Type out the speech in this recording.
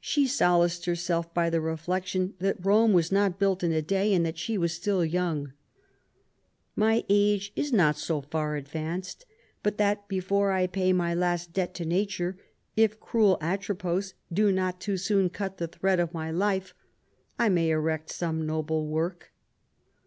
She solaced herself by the reflection that Rome was not built in a day, and that she was still young. "My age is not so far advanced but that, before I pay my last debt to nature, if cruel Atropos do not too soon cut the thread of my life, I may erect some noble work."